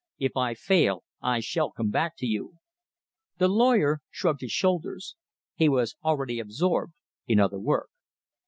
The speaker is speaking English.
If I fail, I shall come back to you." The lawyer shrugged his shoulders. He was already absorbed in other work.